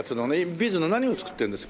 ビーズの何を作ってるんです？